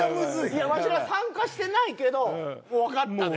いやワシら参加してないけどわかったね。